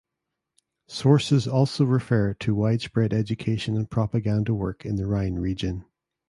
Sources also refer to widespread education and propaganda work in the Rhine region.